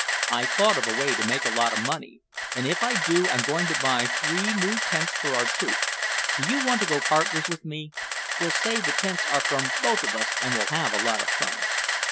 I thought of a way to make a lot of money, and if I do I'm going to buy three new tents for our troop. Do you want to go partners with me? We'll say the tents are from both of us and we'll have a lot of fun."